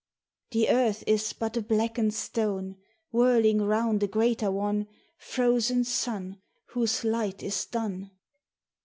The earth is but a blackened stone Whirling round a greater one, — Frozen sun whose light is done